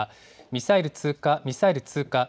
ミサイル通過、ミサイル通過。